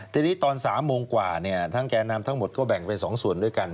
ทีนี้ตอน๓โมงกว่าทั้งแก่นำทั้งหมดก็แบ่งเป็น๒ส่วนด้วยกัน